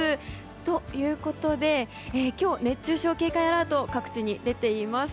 ということで、今日熱中症警戒アラートが各地に出ています。